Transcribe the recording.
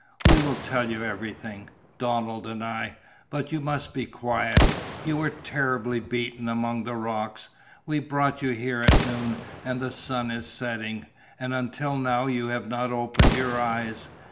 "We will tell you everything Donald and I. But you must be quiet. You were terribly beaten among the rocks. We brought you here at noon, and the sun is setting and until now you have not opened your eyes.